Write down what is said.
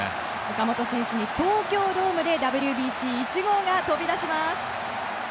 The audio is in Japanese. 岡本選手に東京ドームでＷＢＣ１号が飛び出します。